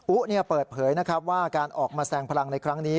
อุ๊ะเปิดเผยว่าการออกมาแสดงพลังในครั้งนี้